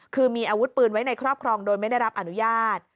คือมีอาวุธปืนไว้ในครอบครองโดยไม่ได้รับอนุญาต